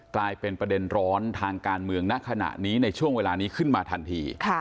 กลายเป็นประเด็นร้อนทางการเมืองณขณะนี้ในช่วงเวลานี้ขึ้นมาทันที